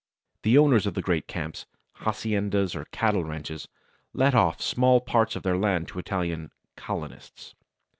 The owners of the great camps, haciendas or cattle ranches let off small parts of their land to Italian "colonists."